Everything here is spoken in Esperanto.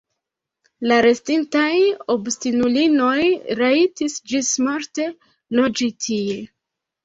La restintaj obstinulinoj rajtis ĝismorte loĝi tie.